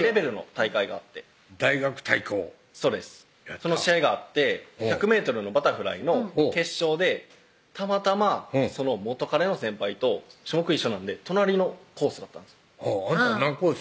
その試合があって１００ｍのバタフライの決勝でたまたまその元カレの先輩と種目一緒なんで隣のコースだったんですよあんた何コース？